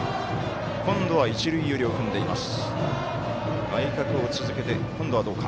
今度は一塁寄りを踏んでいます。